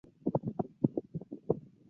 湖北贝母为百合科贝母属下的一个种。